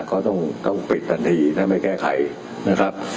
เขาต้องปิดทันทีถ้าไม่แก้ไขนะครับ